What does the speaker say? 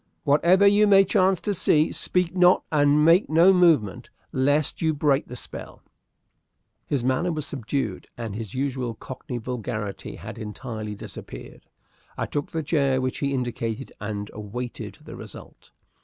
Whatever you may chance to see, speak not and make no movement, lest you break the spell." His manner was subdued, and his usual cockney vulgarity had entirely disappeared. I took the chair which he indicated, and awaited the result.